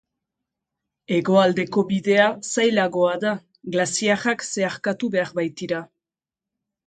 Hegoaldeko bidea zailagoa da glaziarrak zeharkatu behar baitira.